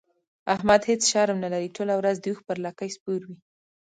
احمد هيڅ شرم نه لري؛ ټوله ورځ د اوښ پر لکۍ سپور وي.